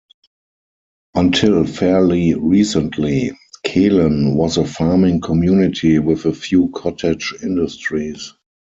Until fairly recently, Kehlen was a farming community with a few cottage industries.